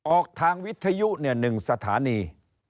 ออกทางวิทยุเนี่ย๑สถานี